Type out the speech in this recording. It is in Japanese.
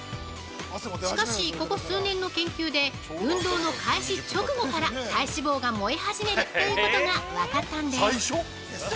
しかし、ここ数年の研究で運動の開始直後から体脂肪が燃え始めるということが分かったんです！